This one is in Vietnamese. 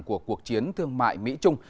của cuộc chiến thương mại mỹ trung